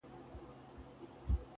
شراب ترخه ترخو ته دي، و موږ ته خواږه.